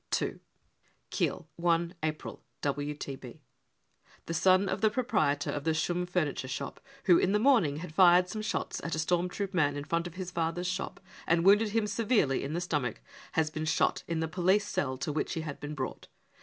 II " Kiel, i April (WTB.) : The son of the proprietor of the Schumm furniture shop, who in the morning had fired some shots at a storm troop man in front of his father's shop and wounded him severely in the stomach, has been shot in the police cell to which he had been brought.